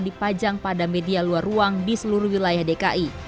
dipajang pada media luar ruang di seluruh wilayah dki